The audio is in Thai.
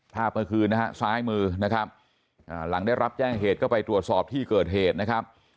เมื่อคืนนะฮะซ้ายมือนะครับหลังได้รับแจ้งเหตุก็ไปตรวจสอบที่เกิดเหตุนะครับ